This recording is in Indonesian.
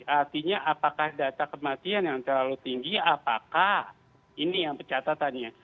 artinya apakah data kematian yang terlalu tinggi apakah ini yang catatannya